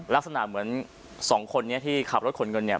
ลักษณะเหมือนสองคนนี้ที่ขับรถขนเงินเนี่ย